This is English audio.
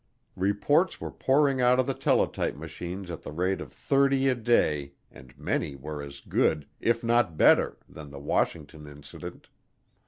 Reports were pouring out of the teletype machines at the rate of thirty a day and many were as good, if not better, than the Washington incident.